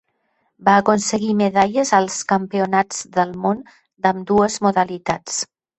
Va aconseguir medalles als campionats del món d'ambdues modalitats.